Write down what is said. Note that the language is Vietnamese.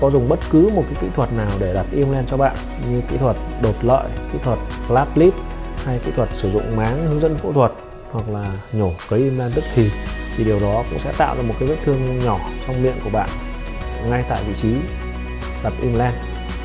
dùng bất cứ một cái kỹ thuật nào để đặt implant cho bạn như kỹ thuật đột lợi kỹ thuật flap lift hay kỹ thuật sử dụng máng hướng dẫn phẫu thuật hoặc là nhổ cấy implant tức thì thì điều đó cũng sẽ tạo ra một cái vết thương nhỏ trong miệng của bạn ngay tại vị trí đặt implant